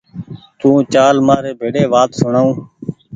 تو چآل مآر ڀيڙي وآت سوڻآئو